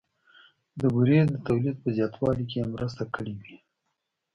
د بورې د تولید په زیاتوالي کې یې مرسته کړې وي